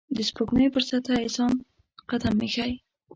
د سپوږمۍ پر سطحه انسان قدم ایښی